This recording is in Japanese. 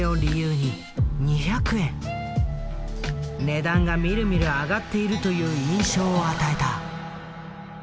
値段がみるみる上がっているという印象を与えた。